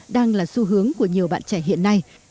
đang là xu hướng của nhiều bạn trẻ hiện nay